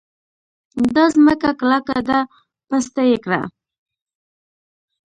دا ځمکه کلکه ده؛ پسته يې کړه.